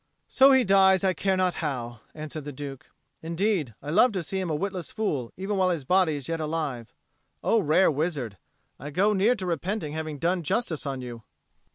"So he dies, I care not how," answered the Duke. "Indeed, I love to see him a witless fool even while his body is yet alive. O rare wizard, I go near to repenting having done justice on you!